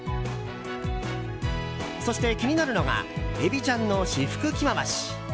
そして気になるのがエビちゃんの私服着回し。